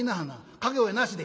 掛け声はなしで」。